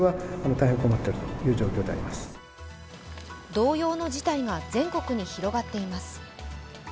同様の事態が全国に広がっています。